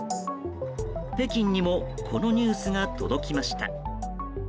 北京にもこのニュースが届きました。